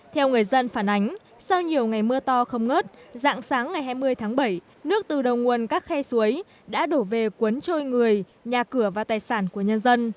theo người dân phản ánh sau nhiều ngày mưa to không ngớt dạng sáng ngày hai mươi tháng bảy nước từ đầu nguồn các khe suối đã đổ về cuốn trôi người nhà cửa và tài sản của nhân dân